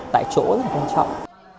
tại chỗ rất là quan trọng